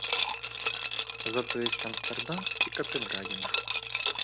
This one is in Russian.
Зато есть Амстердам и Копенгаген